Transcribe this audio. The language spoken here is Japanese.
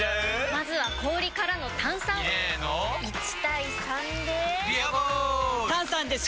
まずは氷からの炭酸！入れの１：３で「ビアボール」！